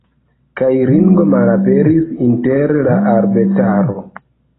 Kaj Ringo malaperis inter la arbetaro.